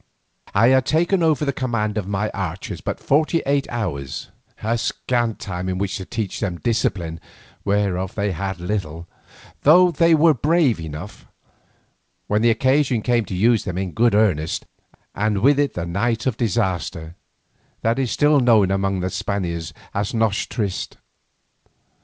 I had taken over the command of my archers but forty eight hours, a scant time in which to teach them discipline whereof they had little, though they were brave enough, when the occasion came to use them in good earnest, and with it the night of disaster that is still known among the Spaniards as the noche triste.